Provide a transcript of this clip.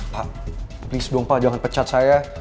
pak please dong pak jangan pecat saya